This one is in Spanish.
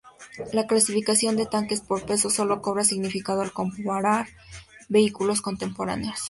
La clasificación de tanques por peso solo cobra significado al comparar vehículos contemporáneos.